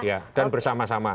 ya dan bersama sama